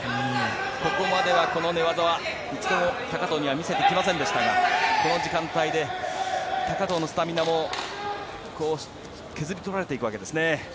ここまでは、この寝技は一度も高藤には見せてきませんでしたがこの時間帯で高藤のスタミナも削り取られていくわけですね。